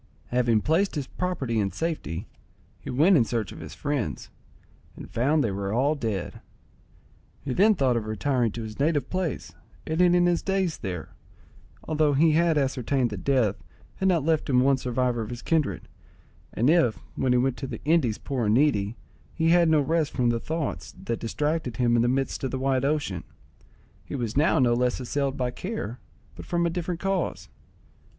Having placed his property in safety, he went in search of his friends, and found they were all dead. He then thought of retiring to his native place, and ending his days there, although he had ascertained that death had not left him one survivor of his kindred; and if, when he went to the Indies poor and needy, he had no rest from the thoughts that distracted him in the midst of the wide ocean, he was now no less assailed by care, but from a different cause.